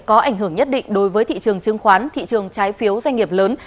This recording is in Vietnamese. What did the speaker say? có ảnh hưởng nhất định đối với thị trường chứng khoán thị trường trái phiếu doanh nghiệp lớn